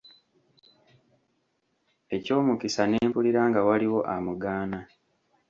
Eky'omukisa ne mpulira nga waliwo amugaana.